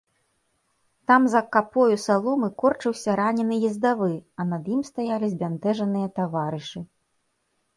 Там за капою саломы корчыўся ранены ездавы, а над ім стаялі збянтэжаныя таварышы.